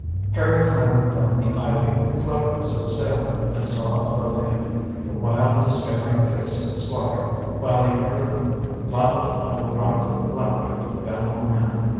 Harry clambered down the ivy with the cleverness of a sailor and saw above him the wild despairing face of the Squire, while he heard the loud ironical laughter of the bound man.